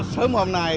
sớm hôm nay